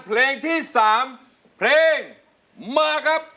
เพลงที่๓เพลงมาครับ